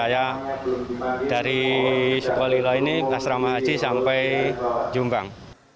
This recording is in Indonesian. saya dari sukalila ini asrama haji sampai jombang